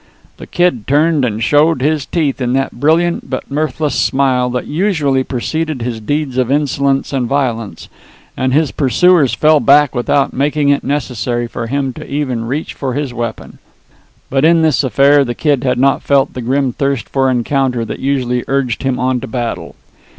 The Kid turned and showed his teeth in that brilliant but mirthless smile that usually preceded his deeds of insolence and violence, and his pursuers fell back without making it necessary for him even to reach for his weapon. But in this affair the Kid had not felt the grim thirst for encounter that usually urged him on to battle.